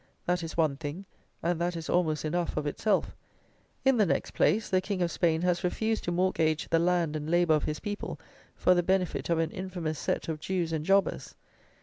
That is one thing; and that is almost enough of itself. In the next place, the King of Spain has refused to mortgage the land and labour of his people for the benefit of an infamous set of Jews and Jobbers.